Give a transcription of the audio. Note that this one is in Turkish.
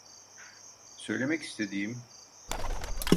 Söylemek istediğim…